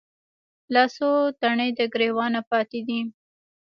لا څــــو تڼۍ د ګــــــرېوانه پاتـې دي